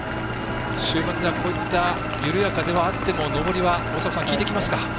終盤ではこういった緩やかではあっても上りは効いてきますか。